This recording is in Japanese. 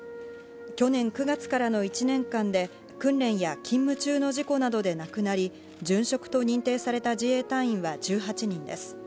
去年９月からの１年間で訓練や勤務中の事故などで亡くなり、殉職と認定された自衛隊は１８人です。